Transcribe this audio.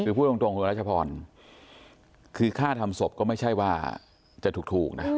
คือพูดตรงคุณรัชพรคือค่าทำศพก็ไม่ใช่ว่าจะถูกนะ